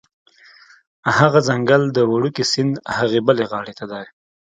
هغه ځنګل د وړوکي سیند هغې بلې غاړې ته دی